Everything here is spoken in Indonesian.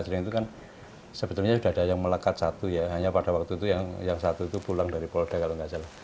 itu kan sebetulnya sudah ada yang melekat satu ya hanya pada waktu itu yang satu itu pulang dari polda kalau tidak salah